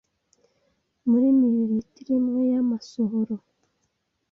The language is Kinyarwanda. muri ml imwe y’amasohoro